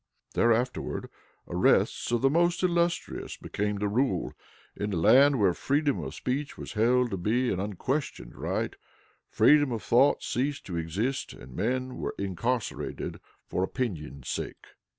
Thenceforward, arrests of the most illustrious became the rule. In a land where freedom of speech was held to be an unquestioned right, freedom of thought ceased to exist, and men were incarcerated for opinion's sake.